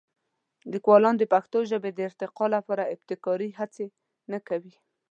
لیکوالان د پښتو ژبې د ارتقا لپاره ابتکاري هڅې نه کوي.